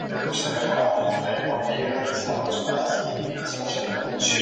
Es internacional con la Selección de balonmano de Argelia.